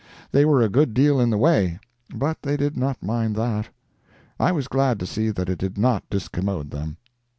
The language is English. They were a good deal in the way, but they did not mind that. I was glad to see that it did not discommode them.